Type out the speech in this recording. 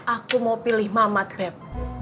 aku mau pilih mamat beb